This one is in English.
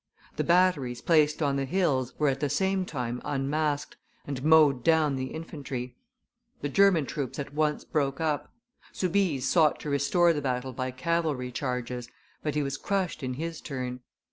The batteries placed on the hills were at the same time unmasked, and mowed down the infantry. The German troops at once broke up. Soubise sought to restore the battle by cavalry charges, but he was crushed in his turn.